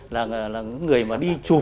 là người mà đi chụp